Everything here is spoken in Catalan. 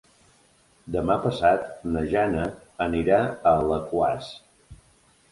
Demà passat na Jana anirà a Alaquàs.